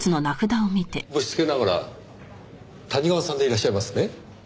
ぶしつけながら谷川さんでいらっしゃいますね？